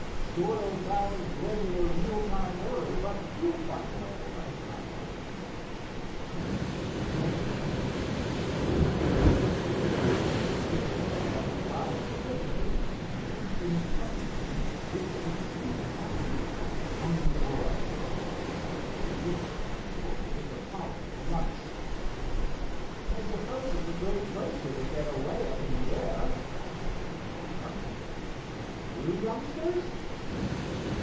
Sort of out of reg'lar meal time order, but you'll find it all right, I hope." Hiram was very hungry, and ate the cold roast beef, biscuits and fried potatoes served in plentitude, with the keen appetite of a hungry boy. Dave, too, enjoyed the palatable lunch. "I suppose it's a great bracer to get away up in the air," observed the farmer. "Through, youngsters?"